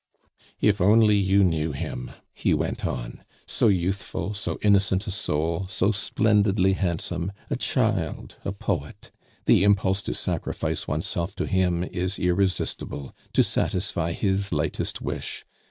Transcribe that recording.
"If only you knew him," he went on, "so youthful, so innocent a soul, so splendidly handsome, a child, a poet! The impulse to sacrifice oneself to him is irresistible, to satisfy his lightest wish.